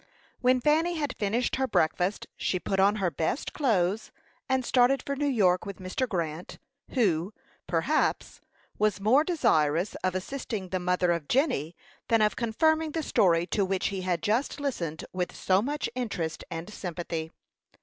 When Fanny had finished her breakfast, she put on her best clothes, and started for New York with Mr. Grant, who, perhaps, was more desirous of assisting the mother of Jenny than of confirming the story to which he had just listened with so much interest and sympathy.